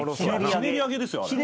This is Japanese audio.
ひねり揚げですね。